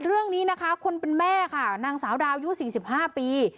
เรื่องนี้นะคะคนเป็นแม่ค่ะนางสาวดาวยุ๔๕ปี